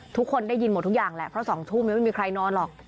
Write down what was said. ทุกคนได้ยินหมดทุกอย่างแหละเพราะ๒ทุ่มไม่มีใครนอนหรอก